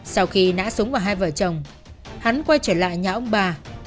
sau khi ngã súng vào hai vợ chồng hắn quay trở lại nhà ông bà